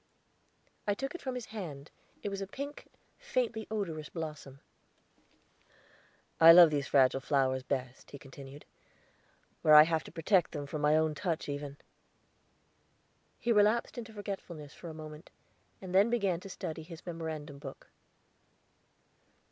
I took it from his hand; it was a pink, faintly odorous blossom. "I love these fragile flowers best," he continued "where I have to protect them from my own touch, even." He relapsed into forgetfulness for a moment, and then began to study his memorandum book.